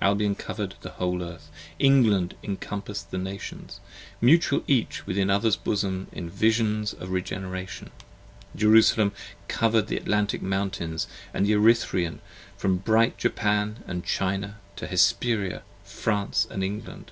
Albion cover'd the whole Earth, England encompass'd the Nations, 45 Mutual each within other's bosom in Visions of Regeneration: Jerusalem cover'd the Atlantic Mountains & the Erythrean, From bright Japan & China to Hesperia, France & England.